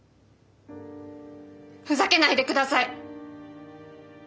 ふざけないでください！